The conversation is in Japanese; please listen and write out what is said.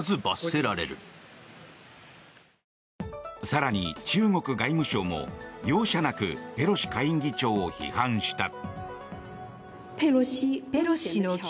更に中国外務省も容赦なくペロシ下院議長を批判した。